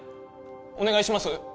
お願いします